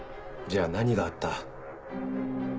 じゃあ何があった？